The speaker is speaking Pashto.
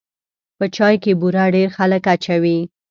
په چای کې بوره ډېر خلک اچوي.